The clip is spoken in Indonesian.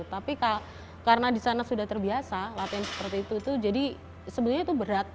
tapi karena di sana sudah terbiasa latihan seperti itu jadi sebenarnya itu berat